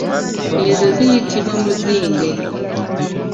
Ezo ziyitibwa muzinge.